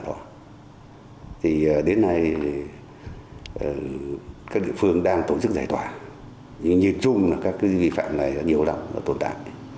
thì đến nay các địa phương đang tổ chức giải thoại nhưng nhìn chung là các cái vi phạm này là nhiều lòng là tồn tại